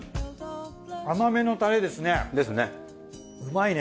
甘めのタレですね。ですね。